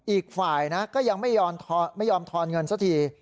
อีกฝ่ายนะก็ยังไม่ยอมทอนเงินสักที